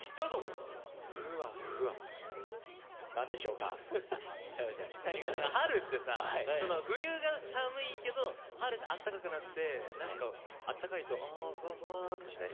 違う違う春ってさ冬が寒いけど春であったかくなって何かあったかいとあふわふわってしない？